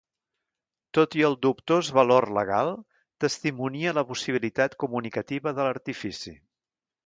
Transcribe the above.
Tot i el seu dubtós valor legal, testimonia la possibilitat comunicativa de l'artifici.